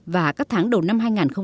và các tháng đầu năm hai nghìn một mươi tám